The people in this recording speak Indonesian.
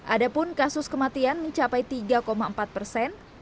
ada pun kasus kematian mencapai tiga empat persen